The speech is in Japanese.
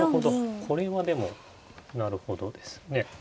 これはでもなるほどですね。